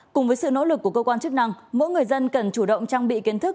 cùng với sự nỗ lực của cơ quan chức năng mỗi người dân cần chủ động trang bị kiến thức